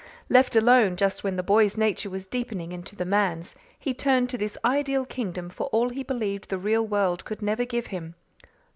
Left alone, just when the boy's nature was deepening into the man's, he turned to this ideal kingdom for all he believed the real world could never give him.